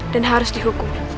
dan harus dihukum